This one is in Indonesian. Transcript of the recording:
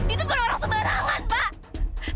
itu bukan orang sembarangan pak